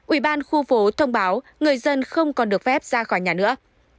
ủy ban khu phố thông báo người dân không còn được phép ra khỏi nhà nữa